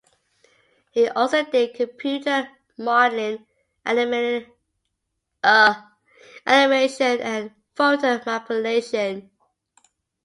He also did computer modelling, animation and photo manipulation.